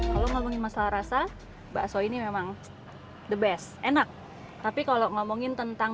kalau ngomongin masalah rasa bakso ini memang the best enak tapi kalau ngomongin tentang